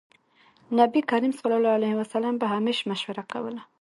نبي کريم ص به همېش مشوره کوله.